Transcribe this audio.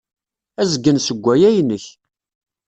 Azgen seg waya inek.